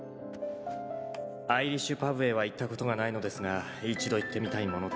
「アイリッシュパブへは行ったことがないのですが一度行ってみたいものです」